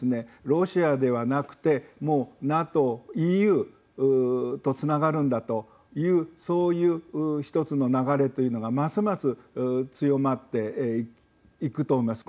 ロシアではなくてもうＮＡＴＯ、ＥＵとつながるんだというそういう１つの流れというのがますます強まっていくと思います。